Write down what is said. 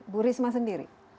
bu risma sendiri